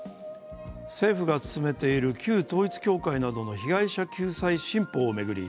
政府が進めている旧統一教会などの被害者救済新法を巡り